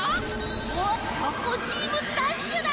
おっチョコンチームダッシュだ！